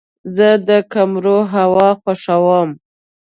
زه د کمرو هوا خوښوم.